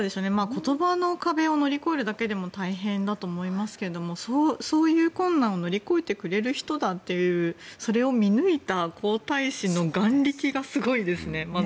言葉の壁を乗り越えるだけでも大変だと思いますがそういう困難を乗り越えてくれる人だとそれを見抜いた皇太子の眼力がまず、すごいですね。